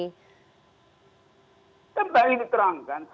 siapa yang anda maksud dan melalui jalur apa bung roky